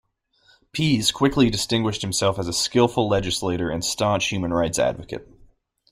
Pease quickly distinguished himself as a skillful legislator and staunch human rights advocate.